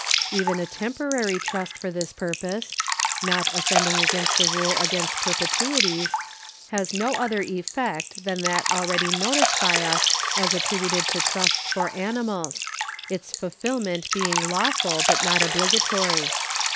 ^ Even a temporary trust for this purpose (not offending against the rule against perpetuities) has no other effect than that already noticed by us as attributed to trusts for animals, its fulfilment being lawful but not obligatory.'